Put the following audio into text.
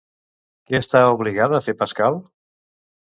Què està obligada a fer Pascal?